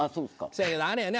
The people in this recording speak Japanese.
せやけどあれやね